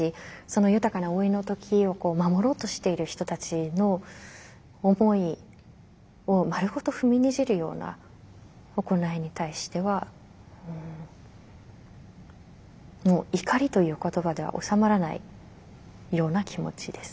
その豊かな老いの時を守ろうとしている人たちの思いを丸ごと踏みにじるような行いに対してはもう怒りという言葉では収まらないような気持ちですね。